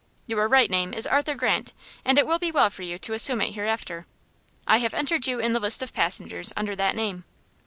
Your right name is Arthur Grant, and it will be well for you to assume it hereafter. I have entered you in the list of passengers under that name.